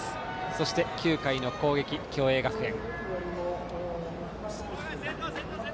そして９回の攻撃、共栄学園。